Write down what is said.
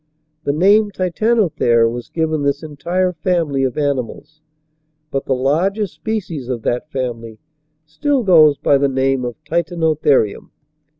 The name Titanothere was given this entire family of animals, but the largest species of that family still goes by the name of Titanotherium.